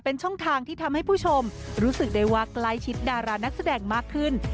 เป็นช่องทางที่ทำให้ผู้ชมรู้สึกได้ว่าใกล้ชิดดารานักแสดงมากขึ้น